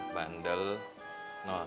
bisa aja bro john kalo ada yang